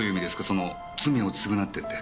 その罪を償ってって。